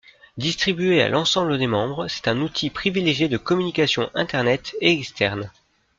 Distribué à l'ensemble des membres, c'est un outil privilégié de communication internet et externe.